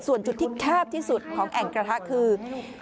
ส่วนจุดที่แคบที่สุดของแอ่งกระทะคือ